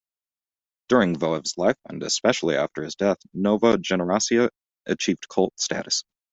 During Voev's life, and especially after his death, Nova Generacia achieved cult status.